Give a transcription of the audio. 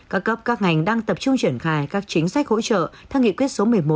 các cấp các ngành đang tập trung triển khai các chính sách hỗ trợ theo nghị quyết số một mươi một